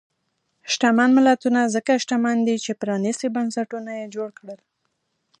شتمن ملتونه ځکه شتمن دي چې پرانیستي بنسټونه یې جوړ کړل.